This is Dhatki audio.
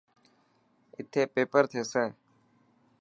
اٿي پيپر ٿيسي.